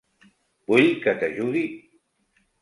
Vull que t'ajudi?